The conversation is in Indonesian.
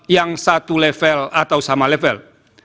yang satu level atau sama level